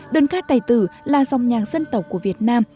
đơn cát tài tử là dòng nhạc dân tộc của việt nam